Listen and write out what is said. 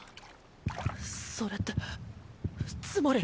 それってつまり。